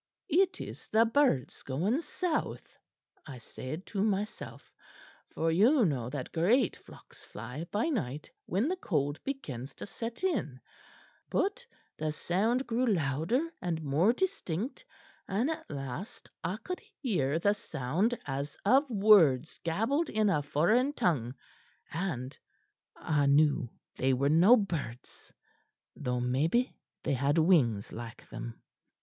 'It is the birds going south,' I said to myself, for you know that great flocks fly by night when the cold begins to set in; but the sound grew louder and more distinct, and at last I could hear the sound as of words gabbled in a foreign tongue; and I knew they were no birds, though maybe they had wings like them.